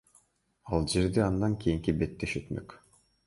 Ал жерде андан кийинки беттеш өтмөк.